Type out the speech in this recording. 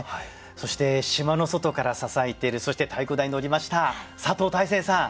そして島の外から支えているそして太鼓台に乗りました佐藤大成さん